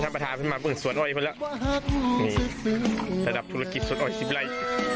ท่านประธานเข้ามาเบื้องสวนออยอีกครั้งแล้วนี่ระดับธุรกิจสวนออยสิบไลค์